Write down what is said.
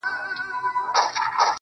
اوس مي حافظه ډيره قوي گلي~